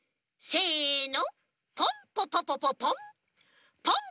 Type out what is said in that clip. せの！